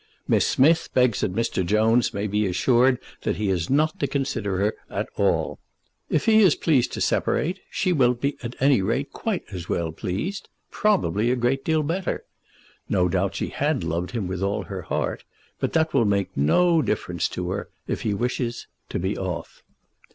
Miss Smith begs that Mr. Jones may be assured that he is not to consider her at all. If he is pleased to separate, she will be at any rate quite as well pleased, probably a great deal better. No doubt she had loved him with all her heart, but that will make no difference to her, if he wishes, to be off.